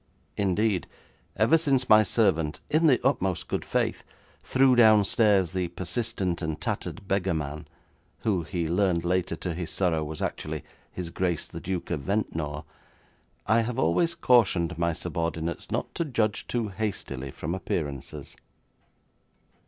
Indeed, ever since my servant, in the utmost good faith, threw downstairs the persistent and tattered beggar man, who he learned later to his sorrow was actually his Grace the Duke of Ventnor, I have always cautioned my subordinates not to judge too hastily from appearances.